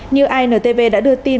như intv đã đưa tin